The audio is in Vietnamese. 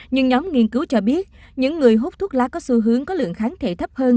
nhưng nhóm nghiên cứu cho biết những người hút thuốc lá có xu hướng có lượng kháng thể thấp hơn